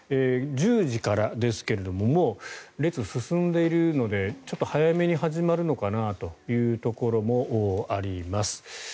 １０時からですがもう列が進んでいるのでちょっと早めに始まるのかなというところもあります。